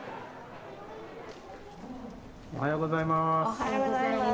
おはようございます。